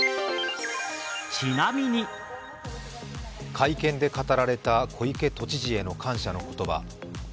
会見で語られた小池都知事への感謝の言葉。